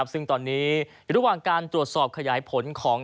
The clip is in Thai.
ซึ่งตอนนี้อยู่ระหว่างการตรวจสอบขยายผลของ